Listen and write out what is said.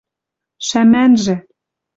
шӓмӓнжӹ